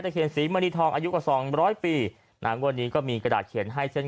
เขียนศรีมณีทองอายุกว่าสองร้อยปีนางงวดนี้ก็มีกระดาษเขียนให้เช่น